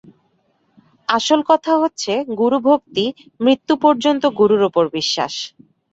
আসল কথা হচ্ছে গুরুভক্তি, মৃত্যু পর্যন্ত গুরুর ওপর বিশ্বাস।